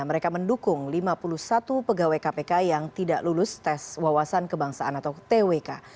mereka mendukung lima puluh satu pegawai kpk yang tidak lulus tes wawasan kebangsaan atau twk